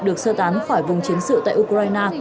được sơ tán khỏi vùng chiến sự tại ukraine